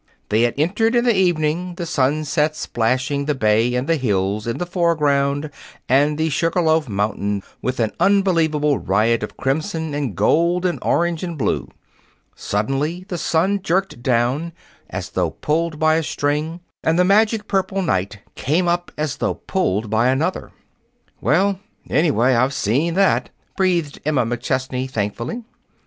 They had entered in the evening, the sunset splashing the bay and the hills in the foreground and the Sugar loaf Mountain with an unbelievable riot of crimson and gold and orange and blue. Suddenly the sun jerked down, as though pulled by a string, and the magic purple night came up as though pulled by another. "Well, anyway, I've seen that," breathed Emma McChesney thankfully.